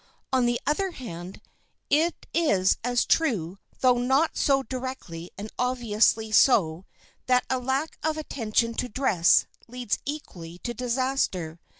On the other hand, it is as true, though not so directly and obviously so, that a lack of attention to dress leads equally to disaster.